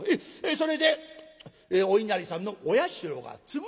それでお稲荷さんのお社が潰れた。